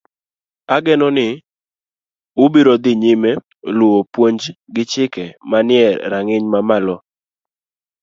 Ageno ni ubiro dhi nyime luwo puonj gi chike manie rang'iny mamalo e